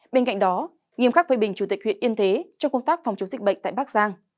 bên cạnh đó nghiêm khắc phê bình chủ tịch huyện yên thế trong công tác phòng chống dịch bệnh tại bắc giang